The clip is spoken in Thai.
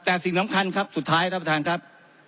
แต่สิ่งสำคัญครับสุดท้ายท่านประธานครับ